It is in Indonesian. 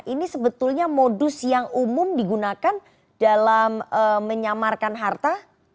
ini sebetulnya modus yang umum digunakan dalam menyamarkan harta